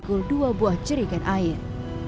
dan mengambil dua buah jerikan air